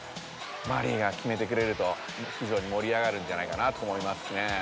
マリイがきめてくれるとひじょうにもりあがるんじゃないかなと思いますね。